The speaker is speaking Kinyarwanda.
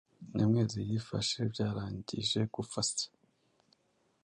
Nyamwezi yifashe byarangije gupfa se